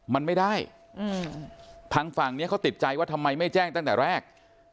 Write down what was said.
มันไม่ได้ทางฝั่งนี้เขาติดใจว่าทำไมไม่แจ้งตั้งแต่แรก